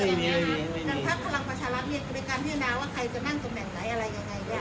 ถ้าคนลังประชาลัพธ์มีกรรมพิจารณาว่าใครจะนั่งตรงแหน่งไหน